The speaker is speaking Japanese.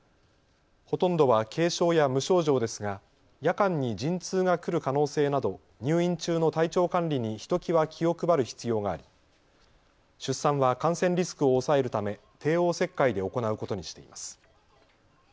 ほとんどは軽症や無症状ですが夜間に陣痛が来る可能性など入院中の体調管理にひときわ気を配る必要があり出産は感染リスクを抑えるため帝王切開で行うことにしています。